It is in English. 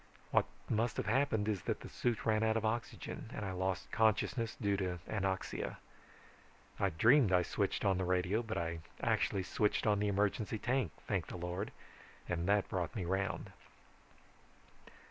What must have happened is that the suit ran out of oxygen, and I lost consciousness due to anoxia. I dreamed I switched on the radio, but I actually switched on the emergency tank, thank the Lord, and that brought me round.